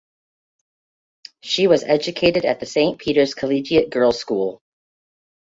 She was educated at the Saint Peter's Collegiate Girls' School.